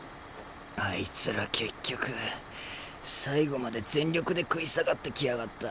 あいつら結局最後まで全力で食い下がってきやがった。